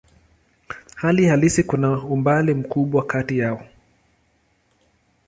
Hali halisi kuna umbali mkubwa kati yao.